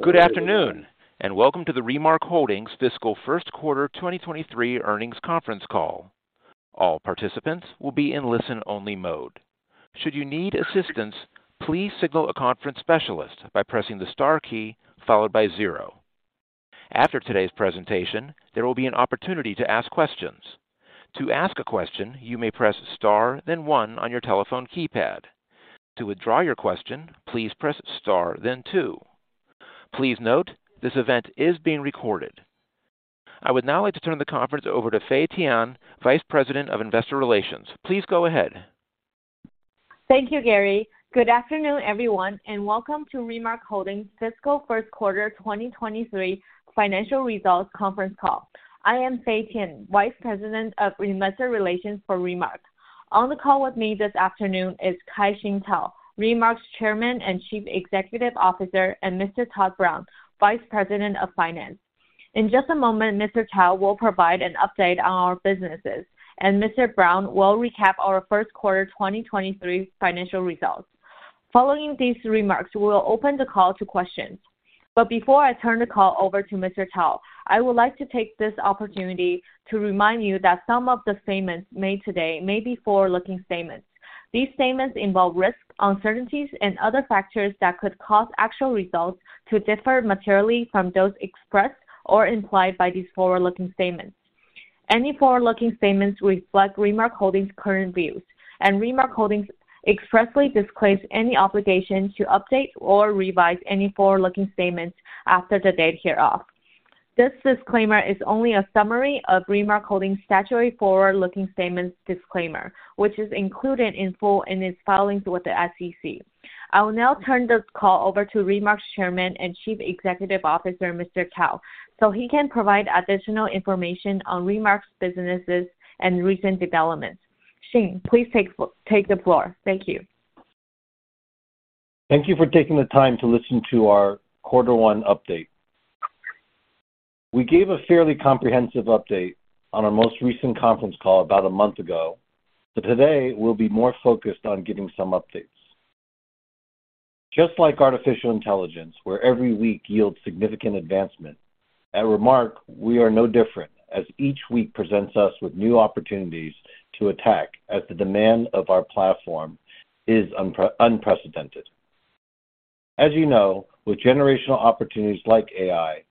Good afternoon. Welcome to the Remark Holdings Fiscal First Quarter 2023 earnings conference call. All participants will be in listen-only mode. Should you need assistance, please signal a conference specialist by pressing the star key followed by 0. After today's presentation, there will be an opportunity to ask questions. To ask a question, you may press star then one on your telephone keypad. To withdraw your question, please press star then two. Please note, this event is being recorded. I would now like to turn the conference over to Fay Tian, Vice President of Investor Relations. Please go ahead. Thank you, Gary. Good afternoon, everyone, and welcome to Remark Holdings' Fiscal First Quarter 2023 financial results conference call. I am Fay Tian, Vice President of Investor Relations for Remark. On the call with me this afternoon is KaiShing Tao, Remark's Chairman and Chief Executive Officer, and Mr. Todd Brown, Vice President of Finance. In just a moment, Mr. Tao will provide an update on our businesses, and Mr. Brown will recap our first quarter 2023 financial results. Following these remarks, we will open the call to questions. Before I turn the call over to Mr. Tao, I would like to take this opportunity to remind you that some of the statements made today may be forward-looking statements. These statements involve risks, uncertainties, and other factors that could cause actual results to differ materially from those expressed or implied by these forward-looking statements. Any forward-looking statements reflect Remark Holdings' current views. Remark Holdings expressly disclaims any obligation to update or revise any forward-looking statements after the date hereof. This disclaimer is only a summary of Remark Holdings' statutory forward-looking statements disclaimer, which is included in full in its filings with the SEC. I will now turn this call over to Remark's Chairman and Chief Executive Officer, Mr. Tao, so he can provide additional information on Remark's businesses and recent developments. Shing, please take the floor. Thank you. Thank you for taking the time to listen to our quarter one update. We gave a fairly comprehensive update on our most recent conference call about a month ago. Today we'll be more focused on giving some updates. Just like artificial intelligence, where every week yields significant advancement, at Remark, we are no different, as each week presents us with new opportunities to attack as the demand of our platform is unprecedented. As you know, with generational opportunities like AI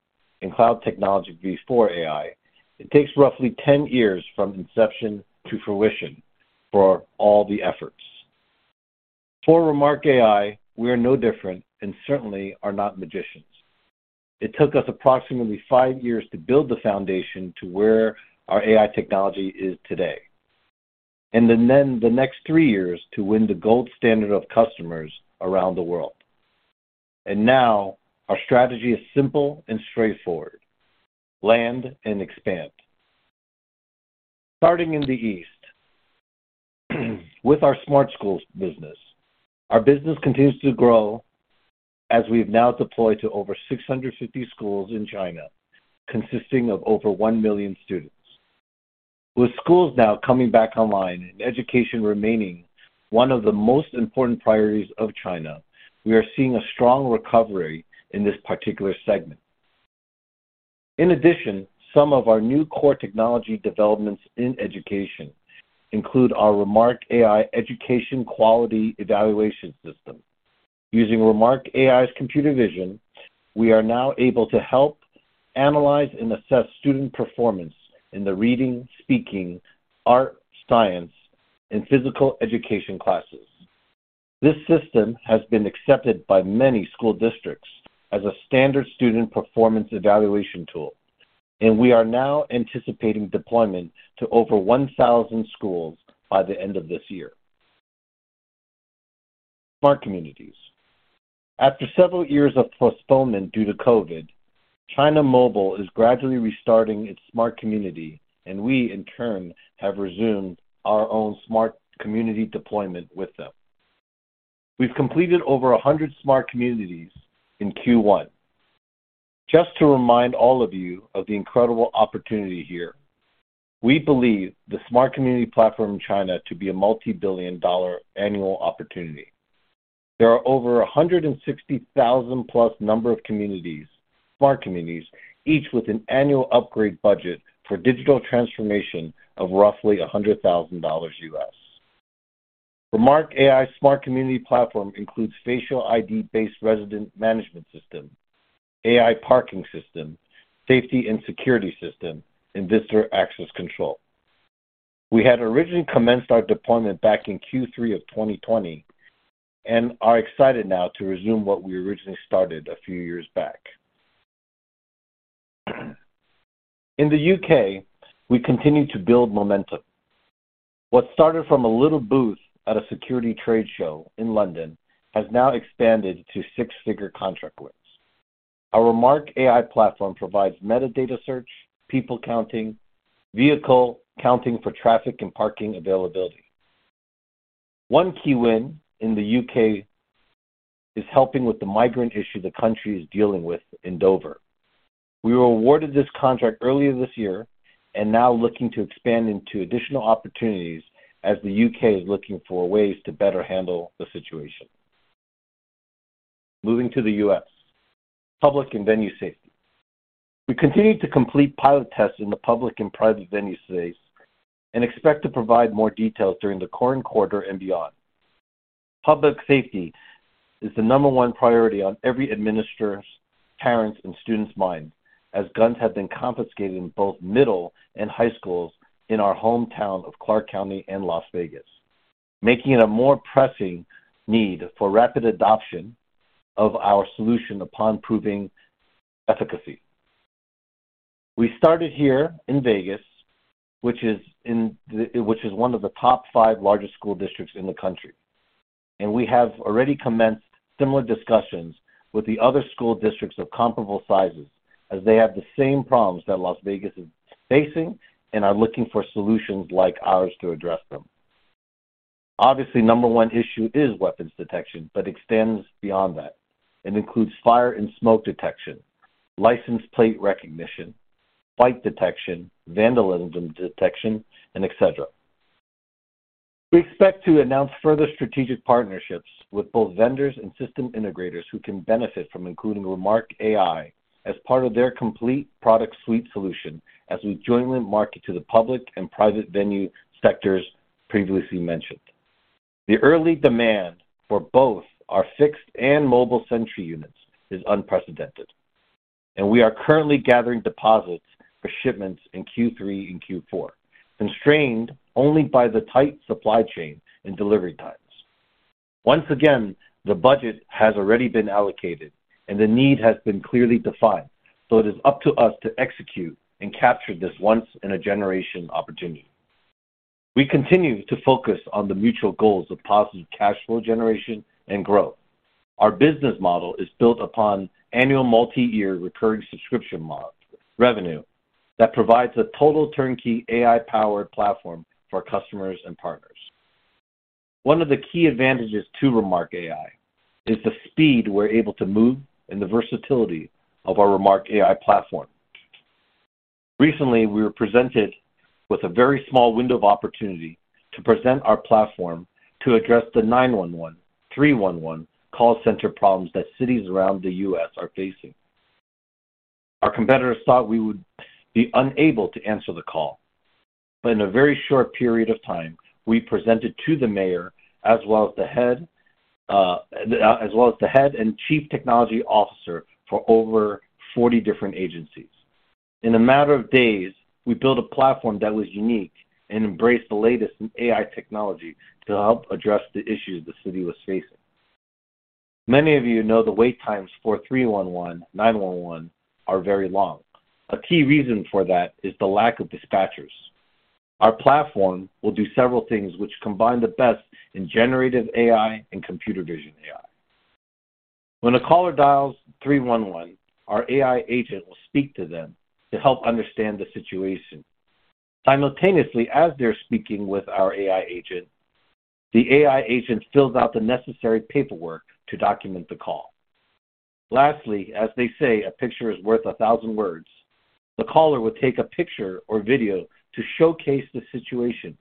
and cloud technology before AI, it takes roughly 10 years from inception to fruition for all the efforts. For Remark AI, we are no different and certainly are not magicians. It took us approximately five years to build the foundation to where our AI technology is today, and then the next three years to win the gold standard of customers around the world. Now our strategy is simple and straightforward: land and expand. Starting in the East with our Smart Schools business. Our business continues to grow as we've now deployed to over 650 schools in China, consisting of over 1 million students. With schools now coming back online and education remaining one of the most important priorities of China, we are seeing a strong recovery in this particular segment. In addition, some of our new core technology developments in education include our Remark AI education quality evaluation system. Using Remark AI's computer vision, we are now able to help analyze and assess student performance in the reading, speaking, art, science, and physical education classes. This system has been accepted by many school districts as a standard student performance evaluation tool, and we are now anticipating deployment to over 1,000 schools by the end of this year. Smart communities. After several years of postponement due to COVID, China Mobile is gradually restarting its smart community, we, in turn, have resumed our own smart community deployment with them. We've completed over 100 smart communities in Q1. Just to remind all of you of the incredible opportunity here, we believe the smart community platform in China to be a multi-billion dollar annual opportunity. There are over 160,000+ smart communities, each with an annual upgrade budget for digital transformation of roughly $100,000. Remark AI smart community platform includes facial ID-based resident management system, AI parking system, safety and security system, and visitor access control. We had originally commenced our deployment back in Q3 of 2020 and are excited now to resume what we originally started a few years back. In the U.K., we continue to build momentum. What started from a little booth at a security trade show in London has now expanded to six-figure contract wins. Our Remark AI platform provides metadata search, people counting, vehicle counting for traffic and parking availability. One key win in the U.K. is helping with the migrant issue the country is dealing with in Dover. We were awarded this contract earlier this year and now looking to expand into additional opportunities as the U.K. is looking for ways to better handle the situation. Moving to the U.S. Public and venue safety. We continue to complete pilot tests in the public and private venue space and expect to provide more details during the current quarter and beyond. Public safety is the number 0ne priority on every administrator's, parents, and students' mind, as guns have been confiscated in both middle and high schools in our hometown of Clark County and Las Vegas, making it a more pressing need for rapid adoption of our solution upon proving efficacy. We started here in Vegas, which is one of the top five largest school districts in the country. We have already commenced similar discussions with the other school districts of comparable sizes as they have the same problems that Las Vegas is facing and are looking for solutions like ours to address them. Obviously, number 1 issue is weapons detection but extends beyond that and includes fire and smoke detection, license plate recognition, fight detection, vandalism detection, and et cetera. We expect to announce further strategic partnerships with both vendors and system integrators who can benefit from including Remark AI as part of their complete product suite solution as we jointly market to the public and private venue sectors previously mentioned. The early demand for both our fixed and mobile sentry units is unprecedented, and we are currently gathering deposits for shipments in Q3 and Q4, constrained only by the tight supply chain and delivery times. Once again, the budget has already been allocated and the need has been clearly defined, so it is up to us to execute and capture this once in a generation opportunity. We continue to focus on the mutual goals of positive cash flow generation and growth. Our business model is built upon annual multi-year recurring subscription revenue that provides a total turnkey AI-powered platform for customers and partners. One of the key advantages to Remark AI is the speed we're able to move and the versatility of our Remark AI platform. Recently, we were presented with a very small window of opportunity to present our platform to address the 911, 311 call center problems that cities around the U.S. are facing. Our competitors thought we would be unable to answer the call. In a very short period of time, we presented to the mayor as well as the head and chief technology officer for over 40 different agencies. In a matter of days, we built a platform that was unique and embraced the latest in AI technology to help address the issues the city was facing. Many of you know the wait times for 311, 911 are very long. A key reason for that is the lack of dispatchers. Our platform will do several things which combine the best in generative AI and computer vision AI. When a caller dials 311, our AI agent will speak to them to help understand the situation. Simultaneously, as they're speaking with our AI agent, the AI agent fills out the necessary paperwork to document the call. Lastly, as they say, a picture is worth 1,000 words. The caller will take a picture or video to showcase the situation.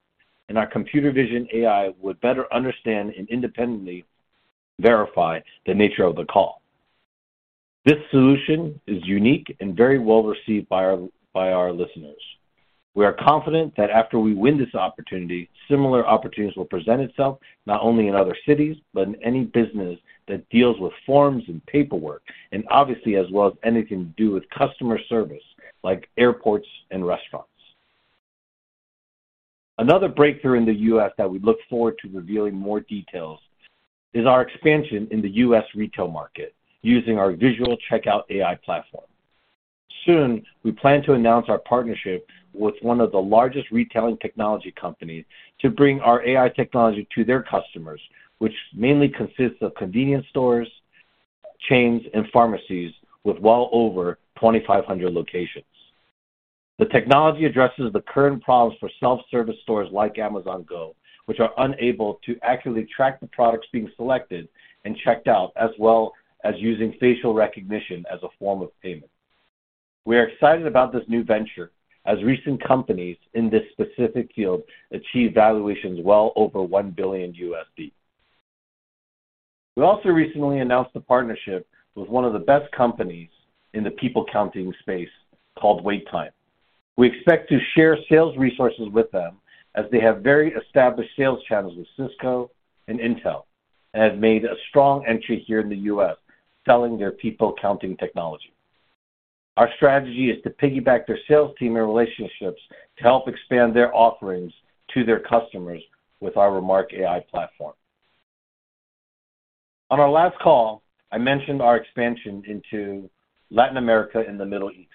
Our computer vision AI would better understand and independently verify the nature of the call. This solution is unique and very well-received by our listeners. We are confident that after we win this opportunity, similar opportunities will present itself not only in other cities, but in any business that deals with forms and paperwork, and obviously as well as anything to do with customer service like airports and restaurants. Another breakthrough in the U.S. that we look forward to revealing more details is our expansion in the U.S. retail market using our visual checkout AI platform. Soon, we plan to announce our partnership with one of the largest retailing technology companies to bring our AI technology to their customers, which mainly consists of convenience stores, chains, and pharmacies with well over 2,500 locations. The technology addresses the current problems for self-service stores like Amazon Go, which are unable to accurately track the products being selected and checked out, as well as using facial recognition as a form of payment. We are excited about this new venture as recent companies in this specific field achieve valuations well over $1 billion. We also recently announced a partnership with one of the best companies in the people counting space called WaitTime. We expect to share sales resources with them as they have very established sales channels with Cisco and Intel and have made a strong entry here in the U.S. selling their people counting technology. Our strategy is to piggyback their sales team and relationships to help expand their offerings to their customers with our Remark AI platform. On our last call, I mentioned our expansion into Latin America and the Middle East.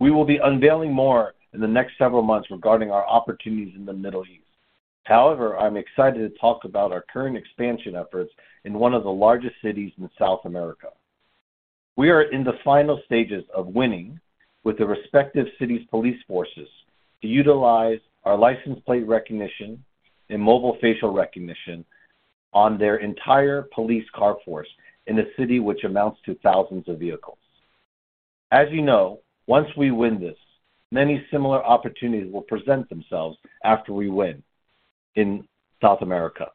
We will be unveiling more in the next several months regarding our opportunities in the Middle East. However, I'm excited to talk about our current expansion efforts in one of the largest cities in South America. We are in the final stages of winning with the respective city's police forces to utilize our license plate recognition and mobile facial recognition on their entire police car force in a city which amounts to thousands of vehicles. As you know, once we win this, many similar opportunities will present themselves after we win in South America.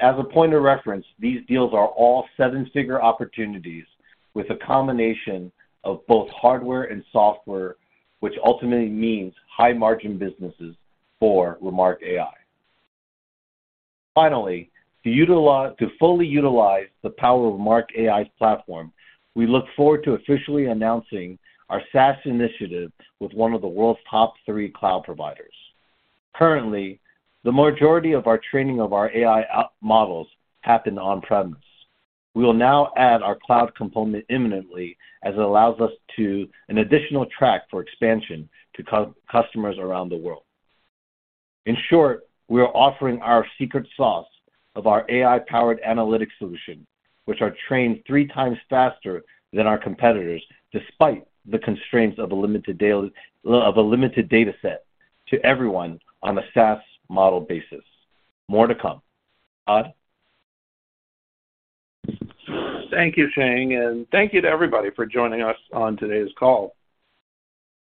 As a point of reference, these deals are all seven-figure opportunities with a combination of both hardware and software, which ultimately means high margin businesses for Remark AI. Finally, to fully utilize the power of Remark AI's platform, we look forward to officially announcing our SaaS initiative with one of the world's top three cloud providers. Currently, the majority of our training of our AI app models happen on-premise. We will now add our cloud component imminently as it allows us to an additional track for expansion to customers around the world. In short, we are offering our secret sauce of our AI-powered analytic solution, which are trained three times faster than our competitors despite the constraints of a limited daily, of a limited data set to everyone on a SaaS model basis. More to come. Todd? Thank you, Shing, and thank you to everybody for joining us on today's call.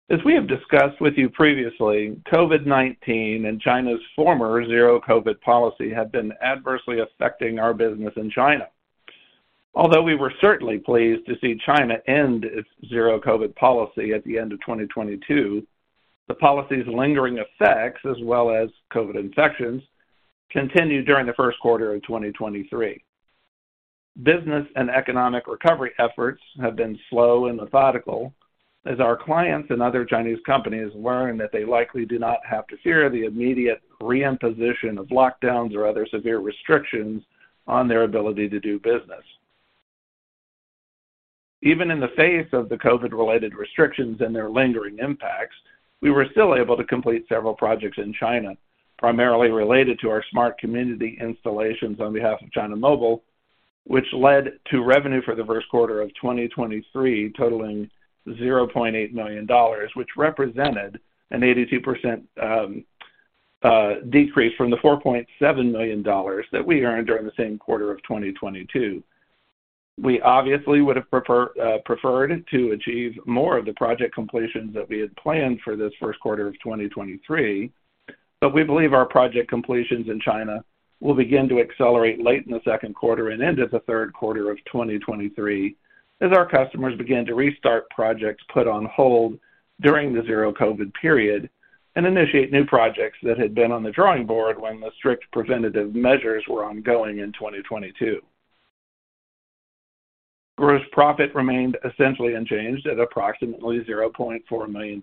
As we have discussed with you previously, COVID-19 and China's former zero-COVID policy had been adversely affecting our business in China. Although we were certainly pleased to see China end its zero-COVID policy at the end of 2022, the policy's lingering effects, as well as COVID infections, continued during the first quarter of 2023. Business and economic recovery efforts have been slow and methodical as our clients and other Chinese companies learn that they likely do not have to fear the immediate re-imposition of lockdowns or other severe restrictions on their ability to do business. Even in the face of the COVID-related restrictions and their lingering impacts, we were still able to complete several projects in China, primarily related to our smart community installations on behalf of China Mobile, which led to revenue for the first quarter of 2023 totaling $0.8 million, which represented an 82% decrease from the $4.7 million that we earned during the same quarter of 2022. We obviously would have preferred to achieve more of the project completions that we had planned for this first quarter of 2023, but we believe our project completions in China will begin to accelerate late in the second quarter and into the third quarter of 2023 as our customers begin to restart projects put on hold during the zero-COVID period and initiate new projects that had been on the drawing board when the strict preventative measures were ongoing in 2022. Gross profit remained essentially unchanged at approximately $0.4 million,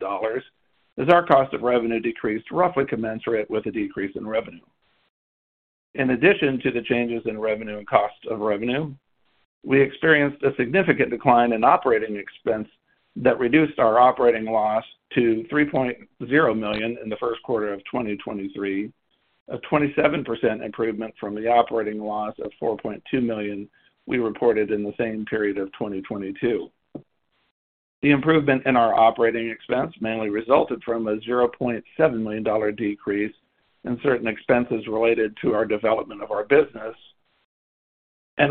as our cost of revenue decreased roughly commensurate with the decrease in revenue. In addition to the changes in revenue and cost of revenue, we experienced a significant decline in operating expense that reduced our operating loss to $3.0 million in the first quarter of 2023, a 27% improvement from the operating loss of $4.2 million we reported in the same period of 2022. The improvement in our operating expense mainly resulted from a $0.7 million decrease in certain expenses related to our development of our business.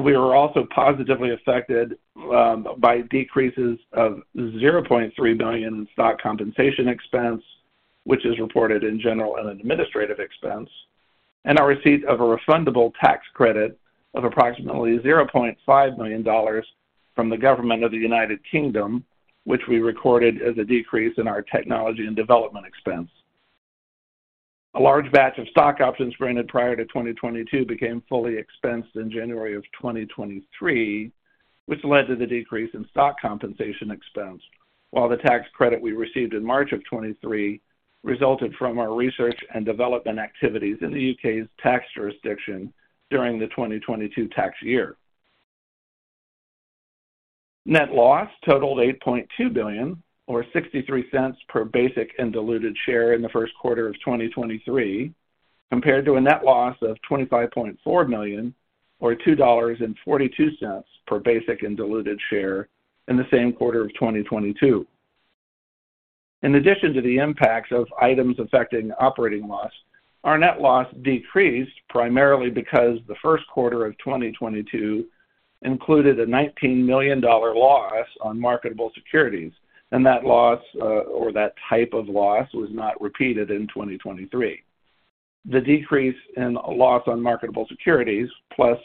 We were also positively affected by decreases of $0.3 million in stock compensation expense, which is reported in general and administrative expense, and our receipt of a refundable tax credit of approximately $0.5 million from the government of the United Kingdom, which we recorded as a decrease in our technology and development expense. A large batch of stock options granted prior to 2022 became fully expensed in January of 2023, which led to the decrease in stock compensation expense. While the tax credit we received in March of 2023 resulted from our research and development activities in the U.K.'s tax jurisdiction during the 2022 tax year. Net loss totaled $8.2 million or $0.63 per basic and diluted share in the first quarter of 2023, compared to a net loss of $25.4 million or $2.42 per basic and diluted share in the same quarter of 2022. In addition to the impacts of items affecting operating loss, our net loss decreased primarily because the first quarter of 2022 included a $19 million loss on marketable securities, and that loss, or that type of loss, was not repeated in 2023. The decrease in loss on marketable securities, plus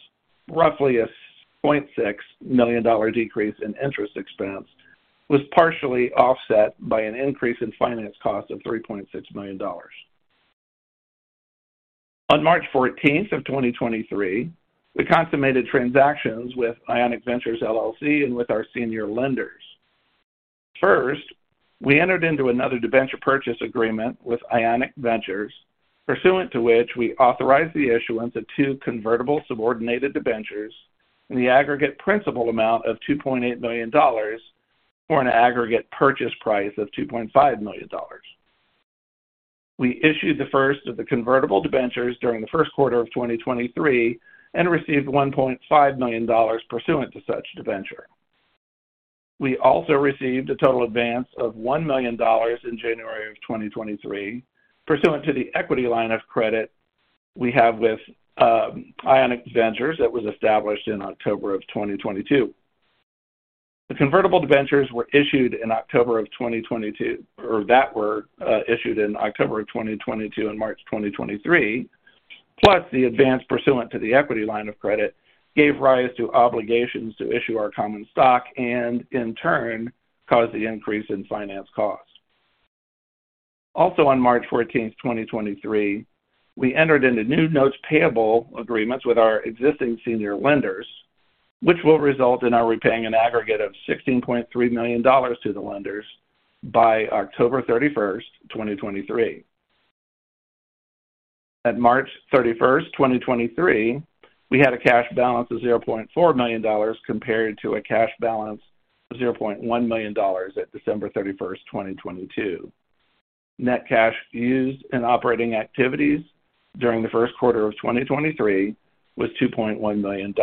roughly a $0.6 million decrease in interest expense, was partially offset by an increase in finance cost of $3.6 million. On March 14, 2023, we consummated transactions with Ionic Ventures, LLC and with our senior lenders. First, we entered into another debenture purchase agreement with Ionic Ventures, pursuant to which we authorized the issuance of 2 convertible subordinated debentures in the aggregate principal amount of $2.8 million for an aggregate purchase price of $2.5 million. We issued the first of the convertible debentures during the first quarter of 2023 and received $1.5 million pursuant to such debenture. We also received a total advance of $1 million in January of 2023 pursuant to the equity line of credit we have with Ionic Ventures that was established in October of 2022. The convertible debentures were issued in October of 2022 or that were issued in October of 2022 and March 2023. The advance pursuant to the equity line of credit gave rise to obligations to issue our common stock and in turn caused the increase in finance costs. On March 14, 2023, we entered into new notes payable agreements with our existing senior lenders, which will result in our repaying an aggregate of $16.3 million to the lenders by October 31, 2023. At March 31, 2023, we had a cash balance of $0.4 million compared to a cash balance of $0.1 million at December 31, 2022. Net cash used in operating activities during the first quarter of 2023 was $2.1 million.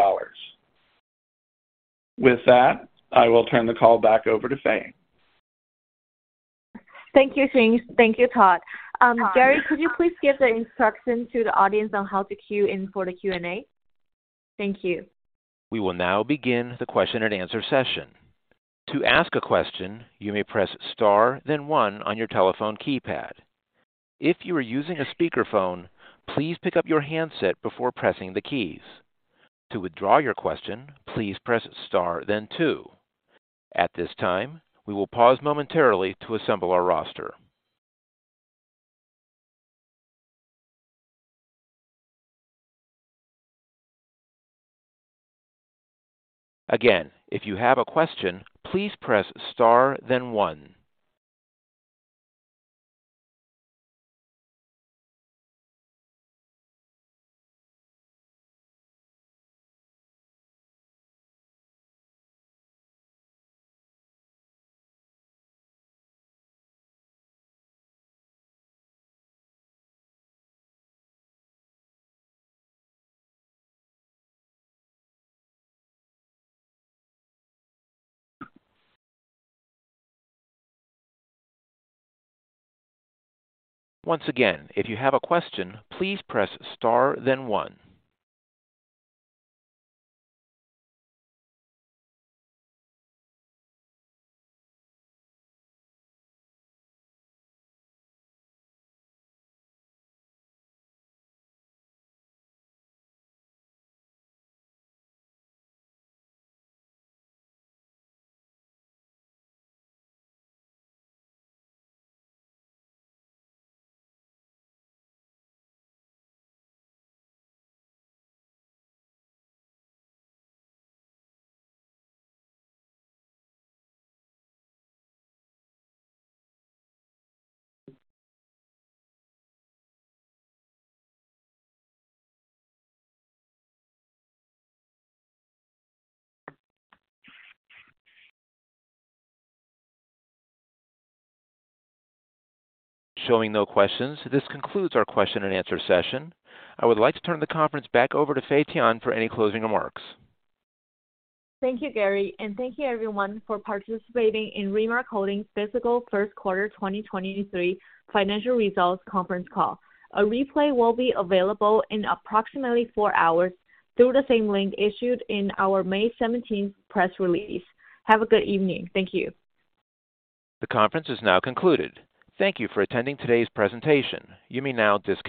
With that, I will turn the call back over to Fay. Thank you, Gary. Thank you, Todd. Gary, could you please give the instructions to the audience on how to queue in for the Q&A? Thank you. We will now begin the question and answer session. To ask a question, you may press star then one on your telephone keypad. If you are using a speakerphone, please pick up your handset before pressing the keys. To withdraw your question, please press star then two. At this time, we will pause momentarily to assemble our roster. Again, if you have a question, please press star then one. Once again, if you have a question, please press star then one. Showing no questions, this concludes our question and answer session. I would like to turn the conference back over to Fay Tian for any closing remarks. Thank you, Gary, and thank you everyone for participating in Remark Holdings' Fiscal First Quarter 2023 financial results conference call. A replay will be available in approximately 4 hours through the same link issued in our May seventeenth press release. Have a good evening. Thank you. The conference is now concluded. Thank you for attending today's presentation. You may now disconnect.